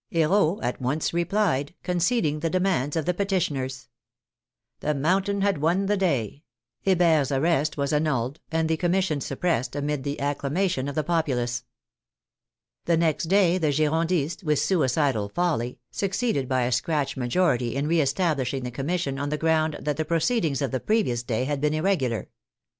He rault at once replied, conceding the demands of the peti tioners. The Mountain had won the day; Hebert's arrest was JEAN PAUL MARAT THE FALL OF THE GIRONDE 65 annulled, and the commission suppressed amid the ac clamation of the populace. The next day the Girondists, with suicidal folly, succeeded by a scratch majority in re establishing the Commission on the ground that the pro ceedings of the previous day had been irregular.